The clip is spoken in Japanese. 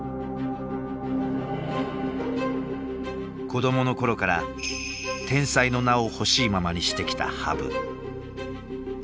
子供の頃から「天才」の名をほしいままにしてきた羽生。